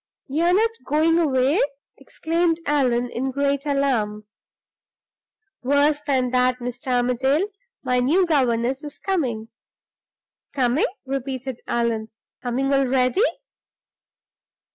"You're not going away?" exclaimed Allan, in great alarm. "Worse than that, Mr. Armadale. My new governess is coming." "Coming?" repeated Allan. "Coming already?"